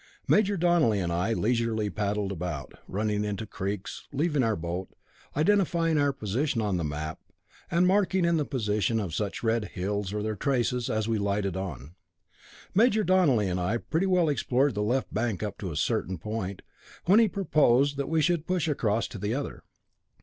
Major Donelly and I leisurely paddled about, running into creeks, leaving our boat, identifying our position on the map, and marking in the position of such red hills or their traces as we lighted on. Major Donelly and I pretty well explored the left bank up to a certain point, when he proposed that we should push across to the other.